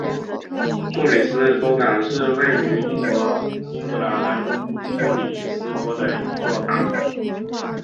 布里斯托港是位于英国英格兰布里斯托的一座港口。